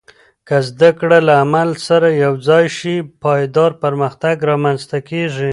که زده کړه له عمل سره یوځای شي، پایدار پرمختګ رامنځته کېږي.